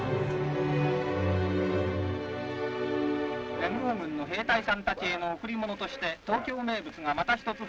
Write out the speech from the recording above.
「連合軍の兵隊さんたちへの贈り物として東京名物がまた一つ増えました。